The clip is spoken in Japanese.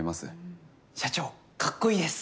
うん。社長かっこいいです。